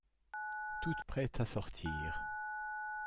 Toute prête à sortir.